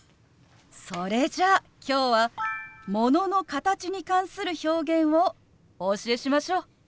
それじゃあ今日はものの形に関する表現をお教えしましょう！